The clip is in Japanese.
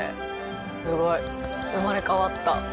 すごい生まれ変わった。